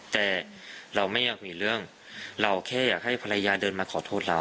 แต่เราไม่อยากมีเรื่องเราแค่อยากให้ภรรยาเดินมาขอโทษเรา